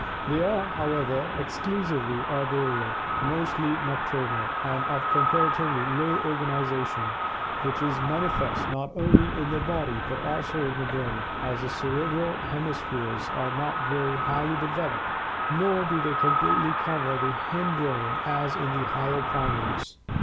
They are, however, exclusively arboreal, mostly nocturnal, and of comparatively low organization, which is man ifest not only in their body but also in the brain, as the cerebral hemispheres are not very highly developed nor do they completely cover the hind brain as in the higher primates.